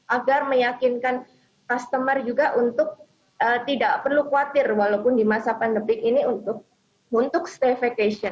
agar meyakinkan customer juga untuk tidak perlu khawatir walaupun di masa pandemi ini untuk stayfication